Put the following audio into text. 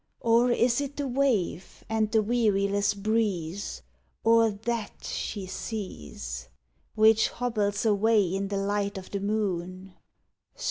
Or is it the wave and the weariless breeze, Or That she sees, Which hobbles away in the light o' the moon?